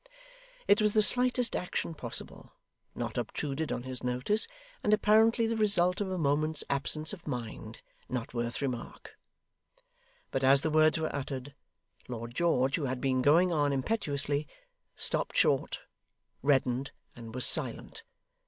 It was the slightest action possible, not obtruded on his notice, and apparently the result of a moment's absence of mind, not worth remark. But as the words were uttered, Lord George, who had been going on impetuously, stopped short, reddened, and was silent.